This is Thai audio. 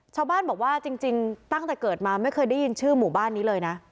ชาวบ้านบอกว่าจริงตั้งแต่เกิดมาไม่เคยได้ยินชื่อหมู่บ้านนี้เลยนะ